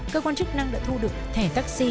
cơ quan chức năng đã thu được thẻ taxi